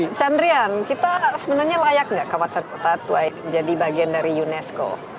pak chandrian kita sebenarnya layak nggak kawasan kota tua jadi bagian dari unesco